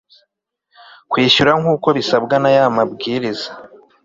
kwishyura nk uko bisabwa n aya Mabwiriza